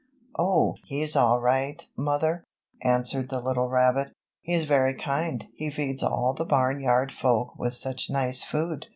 "Oh, he's all right, mother," answered the little rabbit. "He's very kind. He feeds all the Barn Yard Folk with such nice food.